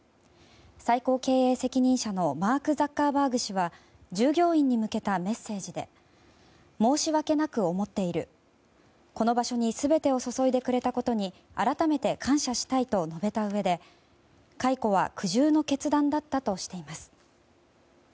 最高経営責任者のマーク・ザッカーバーグ氏は従業員に向けたメッセージで申し訳なく思っているこの場所に全てを注いでくれたことに改めて感謝したいと述べたうえで解雇は苦渋の決断だったとしています。